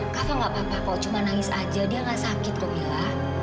kava nggak apa apa kok cuma nangis aja dia nggak sakit kok mila